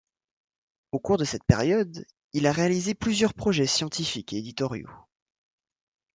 Au cours de cette periode, il a réalisé plusieurs projets scientifiques et éditoriaux.